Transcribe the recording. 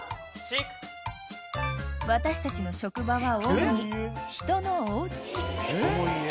［私たちの職場は主に人のおうち］